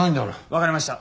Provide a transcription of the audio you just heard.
わかりました。